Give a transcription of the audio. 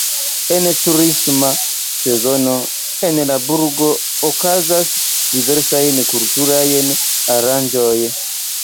En turisma sezono en la burgo okazas diversaj kulturaj aranĝoj.